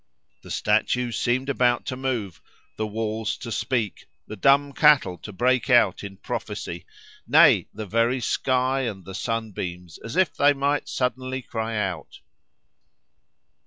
The statues seemed about to move, the walls to speak, the dumb cattle to break out in prophecy; nay! the very sky and the sunbeams, as if they might suddenly cry out."